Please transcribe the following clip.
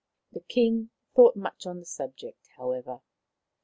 The King thought much on the subject, how ever.